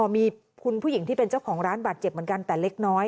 มีคุณผู้หญิงที่เป็นเจ้าของร้านบาดเจ็บเหมือนกันแต่เล็กน้อย